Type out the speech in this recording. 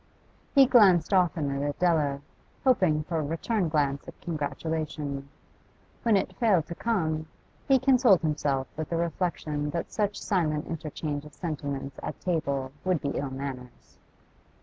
He glanced often at Adela, hoping for a return glance of congratulation; when it failed to come, he consoled himself with the reflection that such silent interchange of sentiments at table would be ill manners.